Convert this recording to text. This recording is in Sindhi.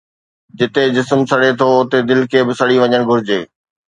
جتي جسم سڙي ٿو اتي دل کي به سڙي وڃڻ گهرجي